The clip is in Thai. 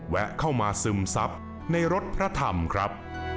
แวะเข้ามาซึมซับในรถพระธรรมครับ